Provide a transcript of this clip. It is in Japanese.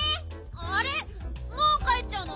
あれもうかえっちゃうの？